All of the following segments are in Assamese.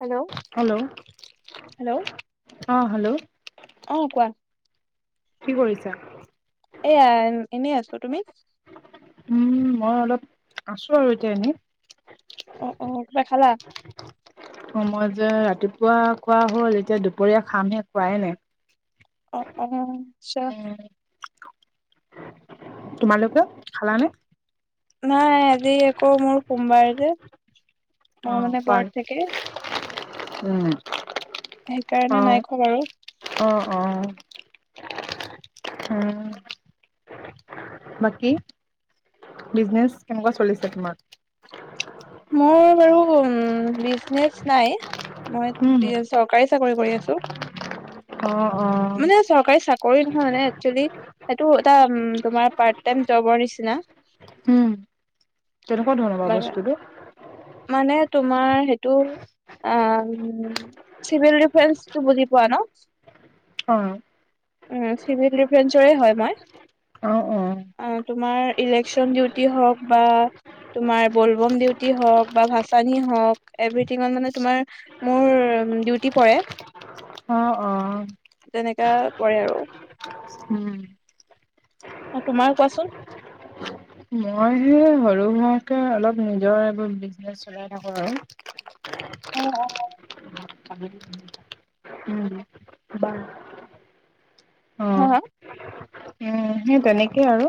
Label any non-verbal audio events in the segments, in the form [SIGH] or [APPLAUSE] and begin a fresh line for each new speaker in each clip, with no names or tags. Hello hello!
অ হেল্ল'।
আহ কোৱা?
কি কৰিছা?
এয়া এনেই আছো, তুমি?
উম মই অলপ আছো আৰু এতিয়া এনেই।
অ অ কিবা খালা
সময় যে ৰাতিপুৱা খোৱা হ'ল এতিয়া দুপৰীয়া খামহে খোৱাই নাই।
অ অ চা
উম তোমালোকে? খালানে?
নাই আজি আকৌ মোৰ সোমবাৰ যে।
অ
মঙ্গলবাৰে
খোৱা
ব্ৰত ৰাখে।
উম। অ
সেইকাৰণে নাই খোৱা বাৰু।
অ অ উম। বাকী, বিজনেছ কেনেকুৱা চলিছে তোমাৰ?
মোৰ বাৰু বিজনেচ নাই। মই
উম
চৰকাৰী চাকৰি কৰি আছো।
অ অ
মানে চৰকাৰী চাকৰি নহয় নে একচলি সেইটো এটা তোমাৰ পাৰ্ট টাইম জবৰ নিচিনা।
উম তেনেকুৱা ধৰণৰ বা বস্তুটো।
মানে তোমাৰ সেইটো অম চিভিল ডিফেন্সটো বুজি পোৱা ন।
অ।
উম চিভিল ডিফেঞ্চৰে হয়
অ অ
মই। তোমাৰ ইলেকশচন ডিউটি হওক বা তোমাৰ বলবম ডিউটি হওক বা ভাচানি হওক, এভ্ৰিথিঙত মানে তোমাৰ মোৰ ডিউটি পৰে।
অ। অ
তেনেকা কৰে আৰু।
উম
আৰু তোমাৰ কোৱাচোন?
মই সৰু সোৱাকে অলপ নিজৰ এইবোৰ বিজনেচ চলাই থাকো আৰু।
অ অ।
উম বা অ
হা হা
উম সেই তেনেকেই আৰু।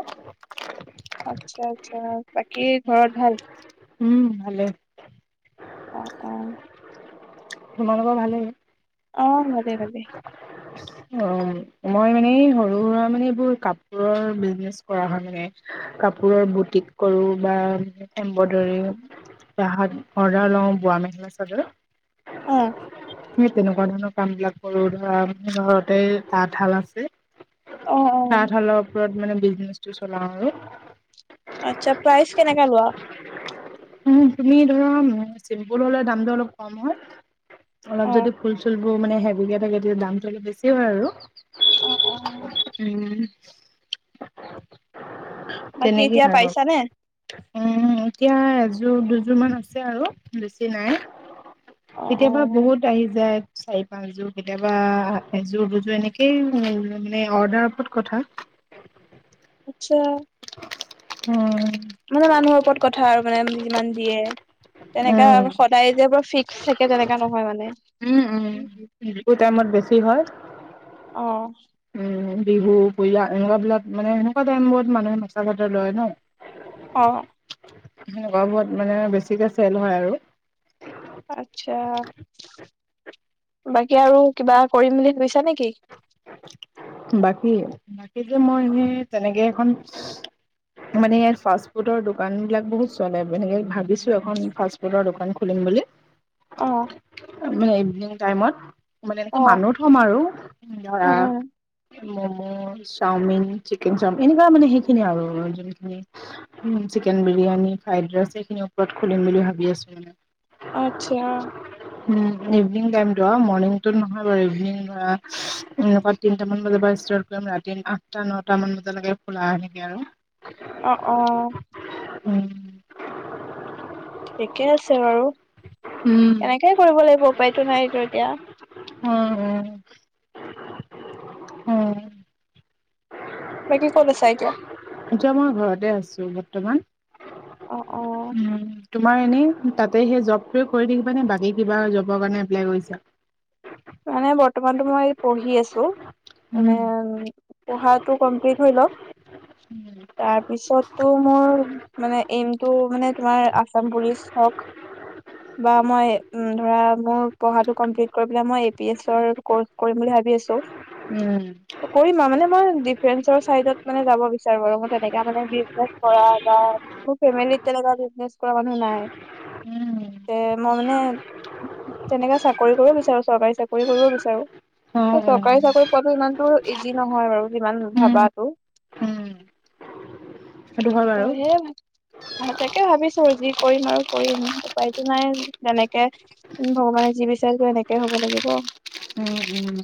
আচ্ছা আচ্ছা, বাকী ঘৰত ভাল?
উম ভালে।
অ অ।
তোমালোকৰ ভালেই?
অ ভালে ভালে।
অ মই মানে সৰু সুৰা মানে এইবোৰ কাপোৰৰ বিজনেচ কৰা হয় মানে। কাপোৰৰ বুটিক কৰো বা এমব্ৰইডৰী। তাহাত অৰ্ডাৰ লওঁ বোৱা মেখেলা চাদৰ।
অ
হে তেনেকুৱা ধৰণৰ কাম বিলাক কৰো। ধৰা ম ঘৰত তাতে তাঁতশাল আছে।
অ অ
তাঁতশালৰ ওপৰত মানে বিজনেচটো চলাও আৰু।
আচ্ছা, প্ৰাইজ কেনেকা লোৱা?
উ তুমি ধৰা চিম্পুল হলে দামটো অলপ কম হয়।
অ
অলপ যদি ফুল চুলবোৰ মানে হেভিকে থাকে, তেতিয়া দামটো অলপ বেছি হয় আৰু।
অ, অ।
উম
বাকী
তেনেকে
এতিয়া
আৰু
পাইছানে
উম এতিয়া দুযোৰ দুযোৰ মান আছে আৰু বেছি নাই
অ অ
কেতিয়াবা বহুত আহি যায়। চাৰি, পাঁচযোৰ। কেতিয়াবা এযোৰ দুযোৰ এনেকেই মানে অৰ্ডাৰ ওপত কথা।
ছ
উম।
মোৰ মানুহৰ ওপৰত কথা আৰু মানে যিমান দিয়ে। তেনেকা সদায় যে ফিক্স থাকে। তেনেকা নহয় মানে।
উম যিবোৰ টাইমত বেছি হয়।
অ।
উম বিহু, পূজা এনেকুৱা বিলাক মানে সেনেকুৱা টাইমত মানুহে মেখেলা-চাদৰ লয় ন।
অ।
সেনেকুৱাবোৰত মানে বেছিকে চেল হয় আৰু।
আটছা, বাকী আৰু কিবা কৰিম বুলি ভাবিছা নে? কি
বাকী, বাকীটো মই এনে তেনেকে এখন মানে ইয়াত ফাষ্ট ফুডৰ দোকান বিলাক বহুত চলে। হেই ভাবিছো এখন ফাষ্ট ফুডৰ দোকান খুলিম বুলি।
অ।
মানে ইভিনিং টাইমত। মানে
অ
এনেকে মানুহ থ'ম আৰু ধৰা।
উম উম
মম', চাওমিন, চিকেন চাওমিন এনেকুৱা মানে সেইখিনিয়ে আৰু। যোনখিনি উম চিকেন বিৰিয়ানী, ফ্ৰাইড ৰাইচ এইখিনি ওপৰত খুলিম বুলি ভাবি আছো মানে।
আত্ছা।
উম, ইভিনিং টাইমতো আও মৰ্ণিংটো নহয় বাৰু। ইভিনিং ধৰা এনেকুৱা তিনটামান বজাৰ পৰা ষ্টাৰ্ট কৰিম ৰাতি আঠটা নটা মান বজালৈকে খোলা। এনেকে আৰু।
অ, অ।
উম।
ঠিকে আছে বাৰু।
উম
এনেকাই কৰিব লাগিব। উপায়টো নাই টো এতিয়া।
হুম, উম, হম।
বাকী ক'ত আছা এতিয়া?
এতিয়া মই ঘৰতে আছো বৰ্তমান।
অ, অ।
উম তোমাৰ এনেই তাতে সেই জবটোৱে কৰি থাকিবানে? বাকী কিবা জবৰ কাৰণে এপ্লাই কৰিছা?
মানে বৰ্তমানতো মই পঢ়ি আছো। মানে
উম
পঢ়াটো কমপ্লিট হৈ লওক। তাৰপিছটো মোৰ মানে এইমতটো মানে তোমাৰ আচাম পুলিচ হওক বা মই ধৰা মোৰ পঢ়াটো কাম্পেলিত কৰি পেলাই মই পি এইচৰ কৰ্চ কৰিম বুলি ভাবি আছো। কৰিম আউ মানে মই ডিফেন্সৰ চাইডত মানে যাব বিচাৰ ৰু তেনেকা মানে বিজনেজ কৰা বা মোৰ ফামিলিত তেনে বিজনেজ কৰা মানুহ নাই। এ মই মানে তেনেকা চাকৰি কৰিব বিচাৰো চৰকাৰী চাকৰি চাকৰি কৰিব বিচাৰো।
অ অ
চৰকাৰী চাকৰি পোহোৱাটো ইমান টো ইজি নহয় বাৰু যিমান
উম
ভাবাতটো।
সেইটো হয় বাৰু।
তাকে ভাবিছো যি কৰিম আৰু কৰিম উপায়তো নাই। তেনেকে ভগৱানে যি বিচাৰিছে হেনেকে হব লাগিব।
উম উম উম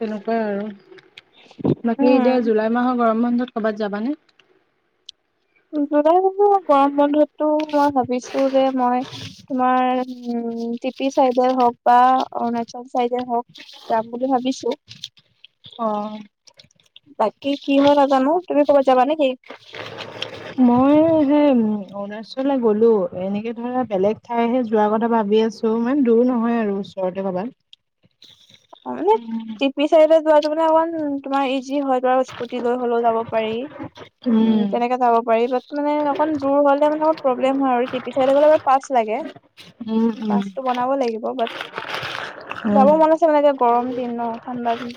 তেনেকুৱাই আৰু, বাকী এতিয়া
উম
জুলাই মাহৰ গৰম বন্ধত ক'ৰবাত যাবানে?
জুলাই [UNINTELLIGIBLE] গৰম বন্ধতটো মই ভাবিছো যে মই তোমাৰ উম, উম, টিপি চাইডে হওক বা অৰুণাচল চাইডে হওক যাম বুলি ভাবিছো।
অ'।
বাকী কি হয় নাজানো তুমি ক'বাত যাবা নেকি?
মই সেই অৰুণাচলে গ'লো এনেকে ধৰা বেলেগ ঠাইহে যোৱা কথা ভাবি আছো ইমান দূৰ নহয় আৰু ওচৰতে কবাত।
[INAUDIBLE] অ', মানে টিপি চাইদত যোৱাটো মানে অকমান তোমাৰ ইজি হয় তাৰ স্কুটি লৈ হলেও যাব পাৰি। উম', তেনেকে যাব পাৰি, বাত মানে অকণ দূৰ হলে মানে অকণ প্ৰব্লেম হয় আৰু টিপি চাইদেহ গলে পাছ লাগে।
উম
পাছ টো বনাব লাগিব বাত যাব
উম
মন আ [UNINTELLIGIBLE] গৰম দিন ন? ঠাণ্ডা দিন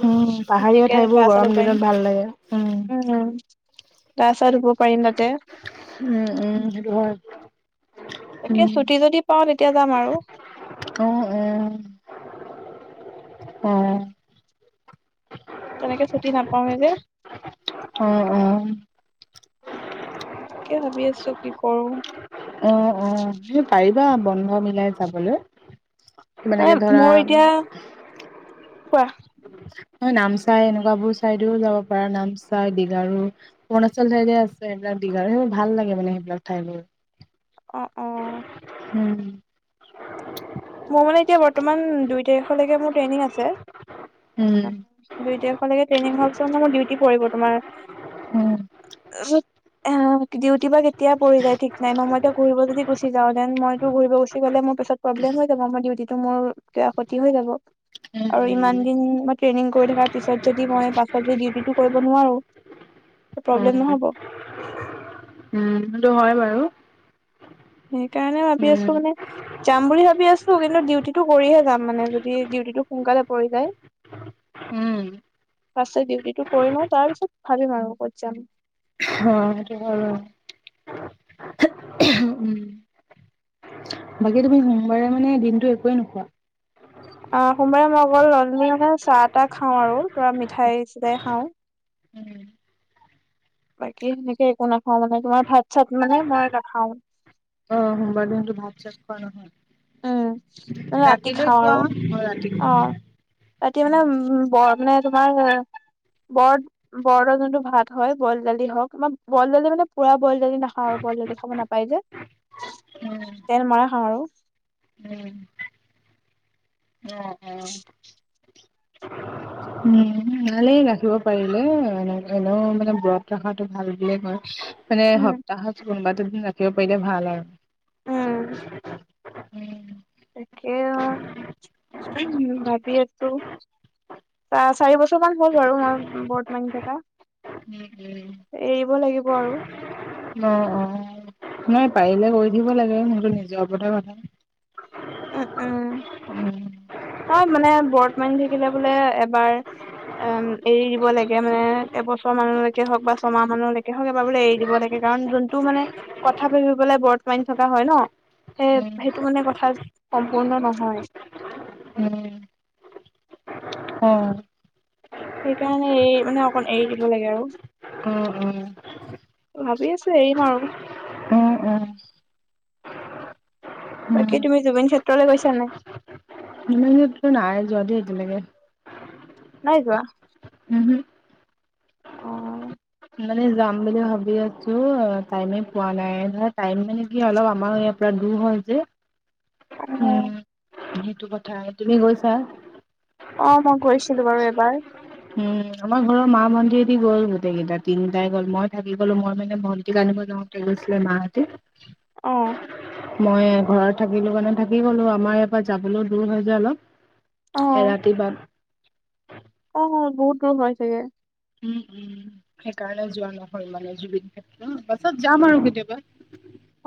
উম পাহাৰীয়া
একে
ঠাইবোৰ
গা ছা
গৰম
ধুব পাৰিম।
দিনত ভাল লাগে উম।
উম', গাছ ছা ধুব পাৰিম তাতে।
উম উম সেইটো হয়
তাকে
উম
ছুটি যদি পাওঁ তেতিয়া যাম আৰু।
অ'-অ', অ'।
তেনেকে ছুটি নাপাওঁৱে যে।
অ'-অ'।
তাকে ভাবি আছো কি কৰো।
অ'-অ', হে পাৰিবা বন্ধ মিলাই যাবলৈ। মানে কি ধৰা
মোৰ এতিয়া কোৱা
হয় নামচাই এনেকুৱ বোৰ চাইডও যাব পাৰা নামচাই, দীঘাৰু, অৰুণাচল চাইডে আছে সবিলাক দীঘাৰ সোৰ ভাল লাগে মানে সেইবিলাক ঠাই মোৰ।
অ অ
উম'।
মোৰ মানে এতিয়া বৰ্তমান দুই তাৰিখৰ লেকে মোৰ ট্ৰেইনিং আছে।
উম
দুই তাৰিখৰ লেকে ট্ৰেইনিং হোৱাৰ পিছত মানে মোৰ ডিউটি পৰিব তোমাৰ
উম
ডিউটি বা কে এতিয়া পৰি যাই ঠিক নাই নহয়। মই ইতিয়া ঘূৰিব যদি গুচি যাওঁ দেন মইতো এতিয়া ঘূৰিব গুচি গলে মোৰ পিছত প্ৰব্লেম হয় মই দিউটটো মোৰ কিবা ক্ষতি হৈ যাব।
উম
আৰু ইমান দিন মই ট্ৰেইনিং কৰি থকাৰ পিছত যদি মই পাছত ডিউটিটো কৰিব নোৱাৰো।
উম অ
প্ৰব্লেম নহব?
উম', সেইটো হয় বাৰু।
সেইকাৰণে ভাবি আছো
উম
মানে যাম বুলি ভাবি আছো, কিন্তু ডিউটিটো কৰিহে যাম মানে যদি ডিউটিটো সোনকালে পৰি যায়।
উম
[INAUDIBLE] ফাৰ্ষ্ট তে ডিউটিটো কৰি লওঁ তাৰ পিছত ভাবিম আৰু কত যাম।
অ', সেইটো হয় বাৰো। বাকী তুমি সোমবাৰে মানে দিনতটো একোৱেই নোখোৱা?
অ', সোমবাৰে মই অকল অনলি মানে চাহ তাহ খাও আৰু তোৰা মিঠাই চিঠাই খাওঁ।
উম।
বাকী সেনেকে একো নাখাও মানে তোমাৰ ভাত চাত মানে মই নাখাও।
অ সোমবাৰ দিনটো ভাত চাত খুৱা নহয়।
উম ৰাতি
ৰাতিলৈ
খাওঁ
খোৱা
আৰু
অ ৰাতি
অ
খোৱা
ৰাতি মানে উ বৰ মানে তোমাৰ বৰ বৰদৰ যোনটো ভাত হয় বইল দালি হওক আ বইল দালি মানে পুৰা বইল দালি নাখাওঁ আৰু। বইল দালি খাব নাপায় যে
উম
তেল মৰা খাম আৰু।
উম অ অ।
[INAUDIBLE]
উম ভালেই ৰাখিব পাৰিলে এ এনেও মানে ব্ৰত ৰখাটো ভাল বুলিয়ে কয়। মানে
উম
সপ্তাহত কোনোবা টো দিন ৰাখিব পাৰিলে ভাল আৰু।
উম।
উম
তাকে উ ভাবি আছো চ চাৰি বছৰ মান হ'ল বাৰু মই বৰদ মানি থকা।
উম
এৰিব লাগিব
উম
আৰু
[UNINTELLIGIBLE] অ অ নয় পাৰিলে কৰি দিব লাগে সেইটো নিজৰ ওপৰতে কথা।
উম্ উম।
উম
অ মানে বৰ্ত মানি থাকিলে বোলে এবাৰ অম এৰি দিব লাগে মানে এবছৰ মানুলৈকে হওক বা ছমাহ মানলৈকে হওক এবাৰ বোলে এৰি দিব লাগে। কাৰণ যোনটো মানে কথা ভাাবি পেলাই বত মানি থকা হয় ন সেই
উম।
সেইটো মানে কথা সম্পূৰ্ণ নহয়।
উম অ
সেইকাৰণে এ মানে অকণ এৰি দিব লাগে আৰু
অ
ভাবি আছো এৰিম আৰু
অ অ অ উম।
বাকী তুমি জুবিন ক্ষেত্ৰলৈ গৈছা নাই?
নাই যোৱা দ এতিয়ালৈকে [UNINTELLIGIBLE]
নাইযোৱা?
উহো।
অ
মানে যাম বুলি ভাবি আছো টাইমে পোৱা নাই টাইম মানে কি অলপ আমাৰ ইয়াৰ পৰা হয় যে
অ
উম সেইটো কথা তুমি গৈছা?
অ মই গৈছিলো বাৰু এবাৰ
উম আমাৰ ঘৰৰ মা ম ভন্তিৰদি গ'ল গোটেইকেইটা তিনিটাই গল মই থাকি গ'লো মই মানে মন্তি ক আনিব [UNINTELLIGIBLE] তে গৈছিলে মাহতে
অ।
মই ঘৰত থাকিলো কাৰানে থাকি গলো আমাৰ ইয়াৰ পৰা যাবলৈও দূৰ হয় যে অলপ
অ
[UNINTELLIGIBLE] এ ৰাতি বা
অ হয় বহুত দূৰ হয় চাগে।
উম উম সেইকাৰণে যোৱা নহয় মানে জুবিন ক্ষেত্ৰ পাছত যাম আৰু কেতিয়াবা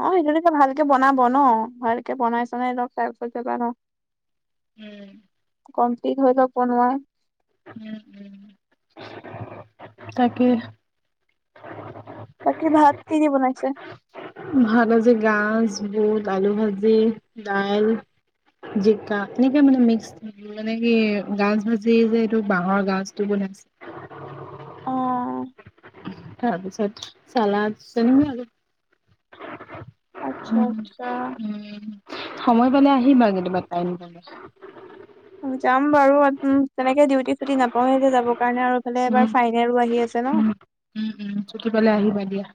অ সেইটো ভালকে বনাব ন ভালকে বনাইছে নাই চাই পিছতাবা
উম
[UNINTELLIGIBLE] ন। [INAUDIBLE] কমপ্লিট হৈ থাব ন [UNINTELLIGIBLE]
উম উম তাকে
বাকী ভাত কিহে বনাইছে? [UNINTELLIGIBLE]
ভাত আাজি গাজ বুট আলু ভাজি দাইল। জিকা এনেকে মানে মিক্স থাকিল মানে কি গাজ ভাজি যে এইটো বাহৰ গাজটো [UNINTELLIGIBLE] ন। [UNINTELLIGIBLE]
[INAUDIBLE]
তাৰপিছত চালন [UNINTELLIGIBLE]
আচ্ছা আচ্ছা
উ সময় পালে আহিম আৰু কেতিয়াবা টাইম পে
যাম বাৰু উম তেনেকে ডিউটি চুটি নাপাওঁ সেই যে যাবৰ কাৰণে আৰুফালে এবাৰ
উম
ফাইনেলো আহি আছে ন।
উ ছুটি পালে আহিবা দিয়া।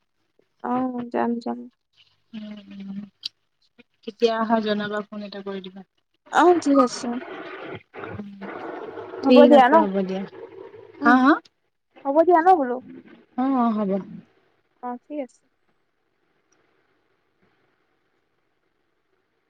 য
উ উ কেতিয়া আহাঁ জনাবা ফোন এটা কৰি দিবা [UNINTELLIGIBLE]
অহ, ঠিক আছে। হ'ব
ঠিক
দিয়া
আছে
ন
হ'ব দিয়া হা
উম
-হা
হ'ব দিয়া ন বোলো
অহ -অহ হ'ব।
অহ, ঠিক আছে।